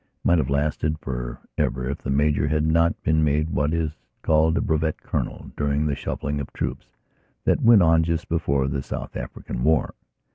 It might have lasted for ever if the Major had not been made what is called a brevet colonel during the shuffling of troops that went on just before the South African War.